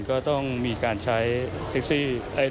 ก็ต้องมีการใช้